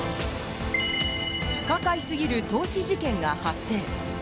不可解すぎる凍死事件が発生！